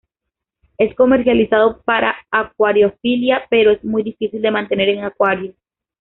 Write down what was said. Es comercializado para acuariofilia, pero es muy difícil de mantener en acuario.